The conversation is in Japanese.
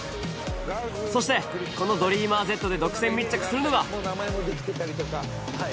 そしてこの「ＤｒｅａｍｅｒＺ」で独占密着するのが。